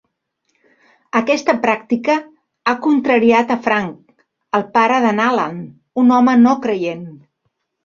Aquesta pràctica ha contrariat a Frank, el pare d'en Alan, un home no creient.